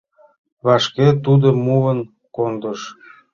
Вашке тудо муын кондыш.